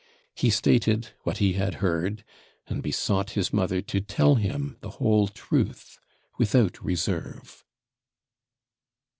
He stated what he had heard, and besought his mother to tell him the whole truth, without reserve.